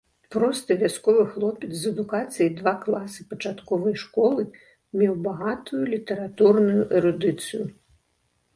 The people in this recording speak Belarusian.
Просты вясковы хлопец з адукацыяй два класы пачатковай школы меў багатую літаратурную эрудыцыю.